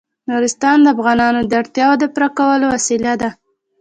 نورستان د افغانانو د اړتیاوو د پوره کولو وسیله ده.